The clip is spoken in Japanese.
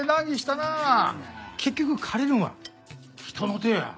結局借りるんは人の手や。